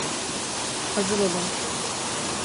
Hazır olun!